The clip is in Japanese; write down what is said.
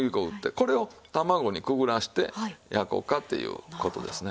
これを卵にくぐらせて焼こうかっていう事ですね。